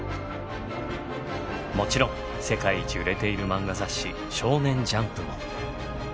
もちろん世界一売れているマンガ雑誌「少年ジャンプ」も。